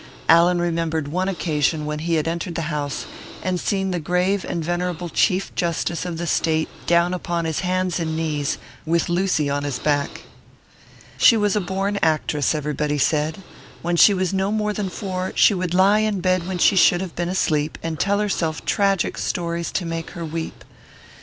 Allan remembered one occasion when he had entered the house and seen the grave and venerable chief justice of the State down upon his hands and knees, with Lucy on his back. She was a born actress, everybody said. When she was no more than four, she would lie in bed when she should have been asleep, and tell herself tragic stories to make her weep.